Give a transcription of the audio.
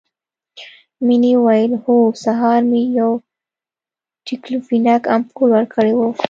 مينې وويل هو سهار مې يو ډيکلوفينک امپول ورکړى و.